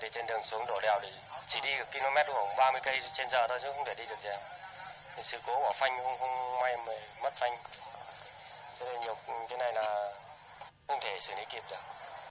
cho nên nhục cái này là không thể xử lý kịp được